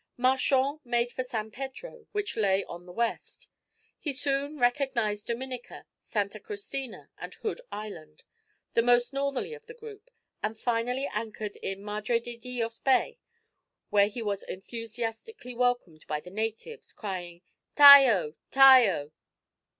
Marchand made for San Pedro, which lay on the west. He soon recognized Dominica, Santa Cristina, and Hood Island, the most northerly of the group, and finally anchored in Madre de Dios Bay, where he was enthusiastically welcomed by the natives, crying "Tayo, Tayo."